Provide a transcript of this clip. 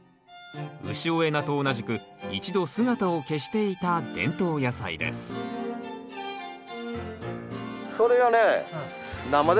潮江菜と同じく一度姿を消していた伝統野菜ですそれをね